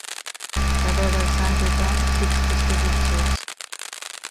Dabei war Saint-Aubin Sitz des Gerichtshofs.